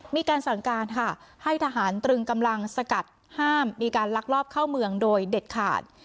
มีการสั่งการค่ะให้ทหารตรึงกำลังสกัดห้ามมีการลักลอบเข้าเมืองโดยเด็ดขาด